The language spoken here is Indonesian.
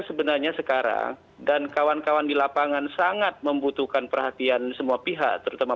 sebenarnya sekarang dan kawan kawan di lapangan sangat membutuhkan perhatian semua pihak terutama